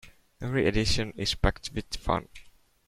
Every edition is packed with fun!